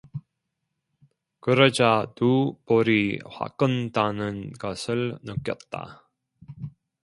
그러자 두 볼이 화끈 다는 것을 느꼈다.